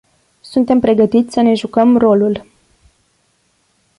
Suntem pregătiți să ne jucăm rolul.